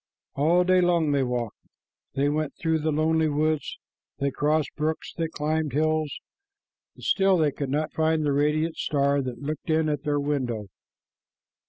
All day long they walked. They went through the lonely woods, they crossed brooks, they climbed hills, and still they could not find the radiant star that had looked in at their window.